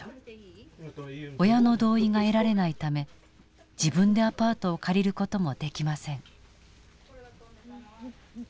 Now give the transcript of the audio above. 親の同意が得られないため自分でアパートを借りる事もできません。